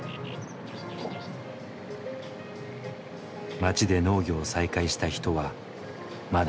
町で農業を再開した人はまだ数えるほどだ。